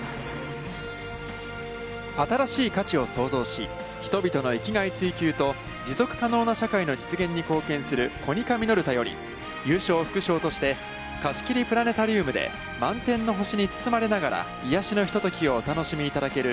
「新しい価値」を創造し、人々の生きがい追求と持続可能な社会の実現に貢献するコニカミノルタより、優勝副賞として、貸し切りプラネタリウムで満天の星に包まれながら癒やしのひとときをお楽しみいただける